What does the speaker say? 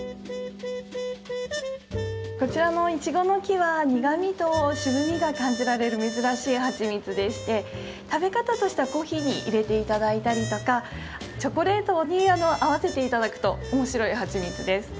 こちらのイチゴノキは苦みと渋みが感じられる珍しいはちみつでして食べ方としてはコーヒーに入れて頂いたりとかチョコレートに合わせて頂くと面白いはちみつです。